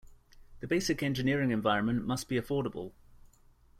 The basic engineering environment must be affordable.